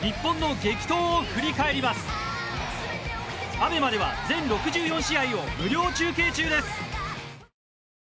ＡＢＥＭＡでは全６４試合を無料中継中です。